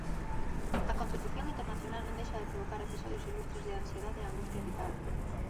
A competición internacional non deixa de provocar episodios ilustres de ansiedade e angustia vital.